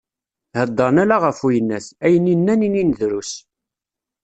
Hedren ala γef uyennat, ayen i nnan inin drus.